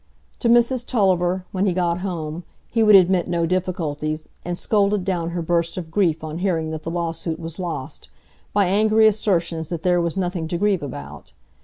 To Mrs Tulliver, when he got home, he would admit no difficulties, and scolded down her burst of grief on hearing that the lawsuit was lost, by angry assertions that there was nothing to grieve about.